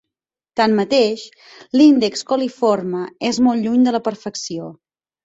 Tanmateix, l'índex coliforme és molt lluny de la perfecció.